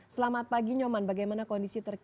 selamat pagi nyoman bagaimana kondisi terkini